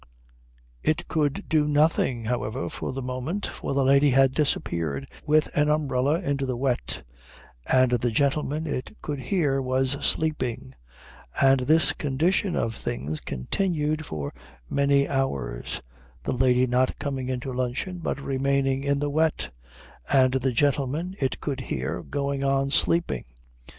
It could do nothing, however, for the moment, for the lady had disappeared with an umbrella into the wet, and the gentleman, it could hear, was sleeping; and this condition of things continued for many hours, the lady not coming into luncheon but remaining in the wet, and the gentleman, it could hear, going on sleeping.